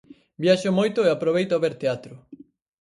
Viaxo moito e aproveito a ver teatro.